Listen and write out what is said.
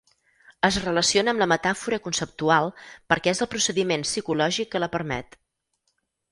Es relaciona amb la metàfora conceptual perquè és el procediment psicològic que la permet.